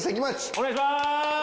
お願いします！